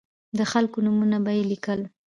د خلکو نومونه به یې لیکل.